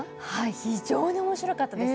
非常に面白かったです。